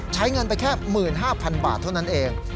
ใช้เงินไปแค่๑๕๐๐๐บาทเท่านั้นเอง